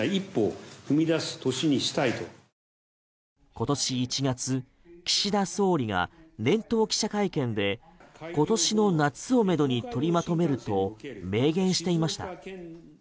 今年１月、岸田総理が年頭記者会見で今年の夏をめどに取りまとめると明言していました。